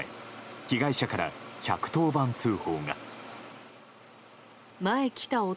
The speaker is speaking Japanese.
被害者から１１０番通報が。